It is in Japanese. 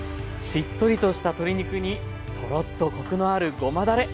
しっとりとした鶏肉にトロッとコクのあるごまだれ。